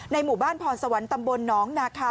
หมู่บ้านพรสวรรค์ตำบลน้องนาคา